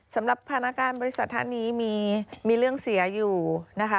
สำหรับพนักงานบริษัทท่านนี้มีเรื่องเสียอยู่นะคะ